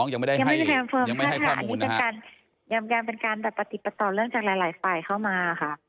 ยังไม่มีใครคอนเฟิร์มยังเป็นการปฏิบัติต่อเรื่องจากหลายฝ่ายเข้ามา